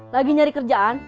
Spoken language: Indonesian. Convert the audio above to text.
lagi nyari kerjaan